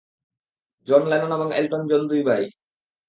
জন Lennon এবং Elton John দুই ভাই।